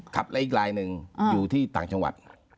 และอีกลายหนึ่งอยู่ที่ต่างจังหวัด